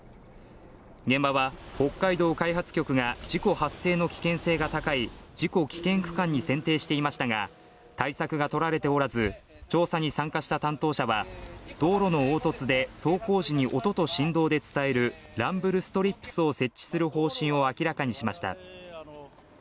現場は北海道開発局が事故発生の危険性が高い事故危険区間に選定していましたが、対策がとられておらず、調査に参加した担当者は道路の凹凸で、走行時に音と振動で伝えるランドルストリップスを設置する方針を明らかにしました。